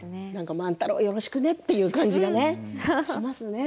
万太郎、よろしくねという感じがしますね。